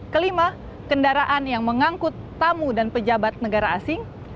kelima kendaraan yang mengangkut tamu dan pejabat negara asing